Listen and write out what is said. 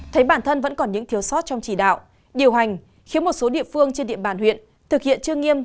thấy bản thân vẫn còn những thiếu sót trong chỉ đạo điều hành khiến một số địa phương trên địa bàn huyện thực hiện chưa nghiêm